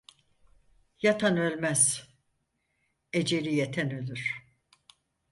Yatan ölmez, eceli yeten ölür.